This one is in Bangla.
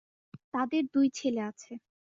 তাদের দুই ছেলে আছে।